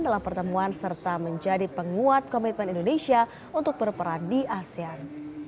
dalam pertemuan serta menjadi penguat komitmen indonesia untuk berperan di asean